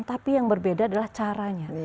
tapi yang berbeda adalah caranya